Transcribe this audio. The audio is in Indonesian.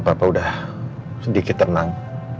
papa udah sedikit tenang